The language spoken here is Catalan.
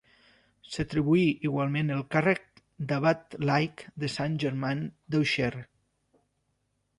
S'atribuí igualment el càrrec d'abat laic de Saint-Germain d'Auxerre.